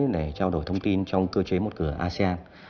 để trao đổi thông tin trong cơ chế một cửa asean